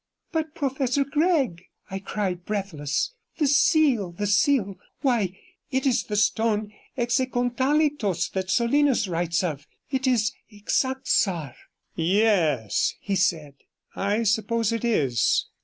'But, Professor Gregg,' I cried, breathless, 'the seal, the seal. Why, it is the stone Hexecontalithos that Solinus writes of; it is Ixaxar.' 'Yes,' he said, 'I suppose it is.